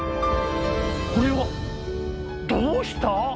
これはどうした？